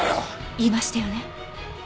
言いましたよね？